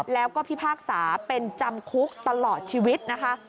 แล้วก็พิพากษาเป็นจำคุกตลอดชีวิตนะคะ